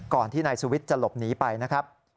ที่นายสุวิทย์จะหลบหนีไปนะครับ